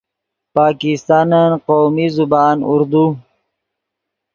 پاکستانن قومی زبان اردو